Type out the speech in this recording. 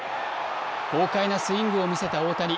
豪快なスイングを見せた大谷。